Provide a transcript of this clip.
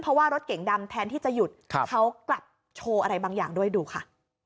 เพราะว่ารถเก๋งดำแทนที่จะหยุดเขากลับโชว์อะไรบางอย่างด้วยดูค่ะ